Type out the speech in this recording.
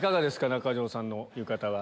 中条さんの浴衣は。